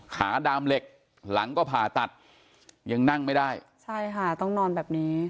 ขาดามเหล็กหลังก็ผ่าตัดยังนั่งไม่ได้ใช่ค่ะต้องนอนแบบนี้